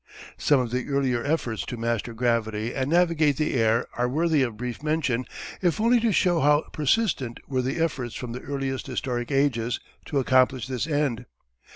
Some of the earlier efforts to master gravity and navigate the air are worthy of brief mention if only to show how persistent were the efforts from the earliest historic ages to accomplish this end.